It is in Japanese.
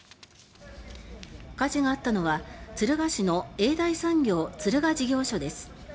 火事があったのは、敦賀市の永大産業敦賀事業所です。